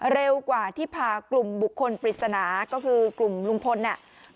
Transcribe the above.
เร็วกว่าที่พากลุ่มบุคคลปริศนาก็คือกลุ่มลุงพลเนี่ย